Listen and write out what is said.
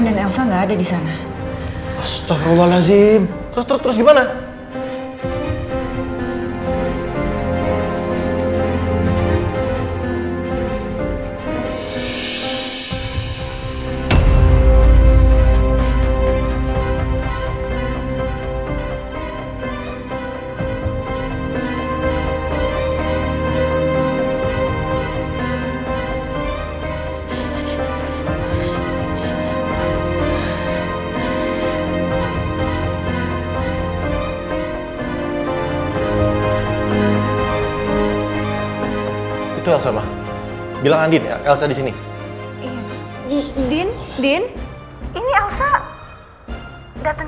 apakah bisa masuk lewat situ samping